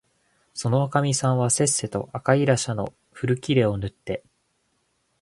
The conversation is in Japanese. そのおかみさんはせっせと赤いらしゃの古切れをぬって、